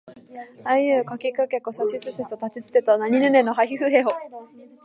あいうえおかきくけこさしすせそたちつてとなにぬねのはひふへほ